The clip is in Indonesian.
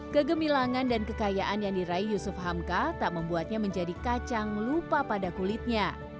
kegemilangan dan kekayaan yang diraih yusuf hamka tak membuatnya menjadi kacang lupa pada kulitnya